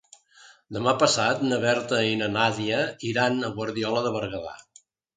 Demà passat na Berta i na Nàdia iran a Guardiola de Berguedà.